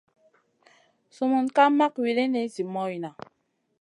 Sumun ka mak wulini zi moyna.